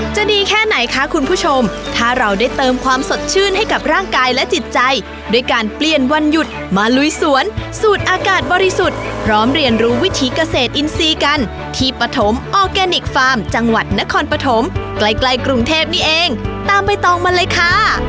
จะดีแค่ไหนคะคุณผู้ชมถ้าเราได้เติมความสดชื่นให้กับร่างกายและจิตใจด้วยการเปลี่ยนวันหยุดมาลุยสวนสูตรอากาศบริสุทธิ์พร้อมเรียนรู้วิถีเกษตรอินทรีย์กันที่ปฐมออร์แกนิคฟาร์มจังหวัดนครปฐมใกล้ใกล้กรุงเทพนี่เองตามใบตองมาเลยค่ะ